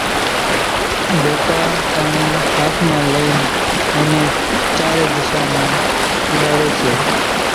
ڀوپوپاڻي ھاٿ مان لئين اين نين چارين ۮشان مان اُوڏاڙي سي